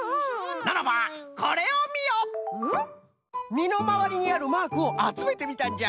みのまわりにあるマークをあつめてみたんじゃ。